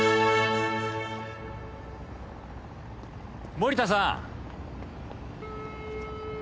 森田さん！